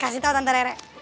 kasih tau tante rere